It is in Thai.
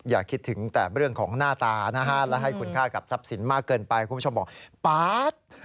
อย่าคิดถึงแต่เรื่องของหน้าตานะฮะและให้คุณค่ากับทรัพย์สินมากเกินไปคุณผู้ชมบอกป๊าด